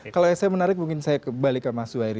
kalau saya menarik mungkin saya kembali ke mas suhairi